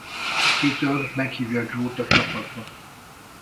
Peter meghívja Joe-t a csapatba.